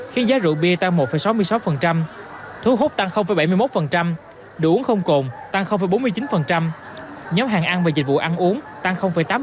khiến giá rượu bia tăng một sáu mươi sáu thu hút tăng bảy mươi một đồ uống không cồn tăng bốn mươi chín nhóm hàng ăn và dịch vụ ăn uống tăng tám